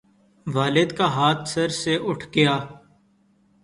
والد کا ہاتھ سر سے اٹھ گیا